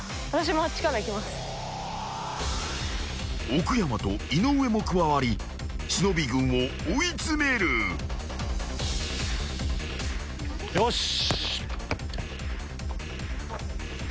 ［奥山と井上も加わり忍軍を追い詰める］よし。